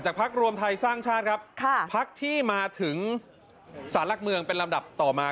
พักรวมไทยสร้างชาติครับพักที่มาถึงสารหลักเมืองเป็นลำดับต่อมา